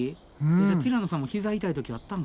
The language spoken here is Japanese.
じゃあティラノさんもひざ痛い時あったんかな？